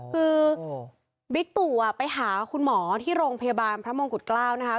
คือบิ๊กตู่ไปหาคุณหมอที่โรงพยาบาลพระมงกุฎเกล้านะคะ